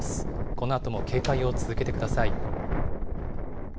このあとも警戒を続けてください。